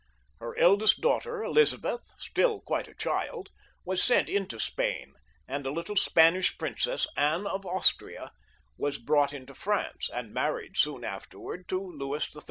Her eldest daughter, Elizabeth, still quite a child, was sent into Spain ; and a little Spanish princess, Anne of Austria, was brought into France, and married soon after to Louis XIII.